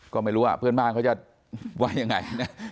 ก็ไม่รู้ว่าเพื่อนบ้านเขาจะว่ายังไงนะ